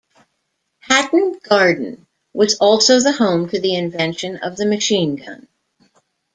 Hatton Garden was also the home to the invention of the machine gun.